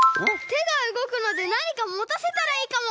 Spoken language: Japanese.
てがうごくのでなにかもたせたらいいかも！